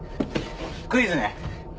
クイズね。